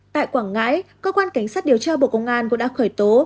tại quảng ngãi cơ quan cảnh sát điều tra bộ công an cũng đã khởi tố